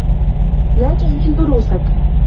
لَا تُهْمِلْ دُرُوسَكَ.